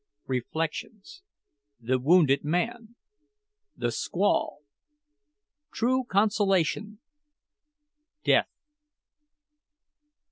REFLECTIONS THE WOUNDED MAN THE SQUALL TRUE CONSOLATION DEATH.